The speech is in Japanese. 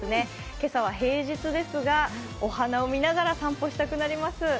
今朝は平日ですが、お花を見ながら散歩したくなります。